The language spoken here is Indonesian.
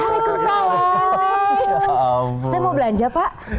saya mau belanja pak